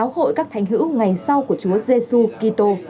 hội các thành hữu ngày sau của chúa giê xu kỳ tô